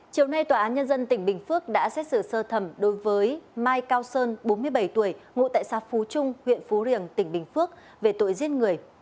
chiều nay tòa án nhân dân tỉnh bình phước đã xét xử sơ thẩm đối với mai cao sơn bốn mươi bảy tuổi ngụ tại xa phú trung huyện phú riềng tỉnh bình phước về tội giết người